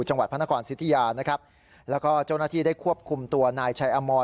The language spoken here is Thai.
จังหวัดพระนครสิทธิยานะครับแล้วก็เจ้าหน้าที่ได้ควบคุมตัวนายชัยอมร